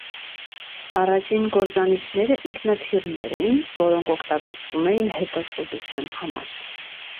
Առաջին կործանիչները ինքնաթիռներ էին, որոնք օգտագործվում էին հետախուզության համար։